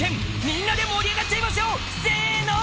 みんなで盛り上がっていきましょう、せーの。